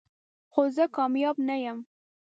خو زه کامیاب نه یم .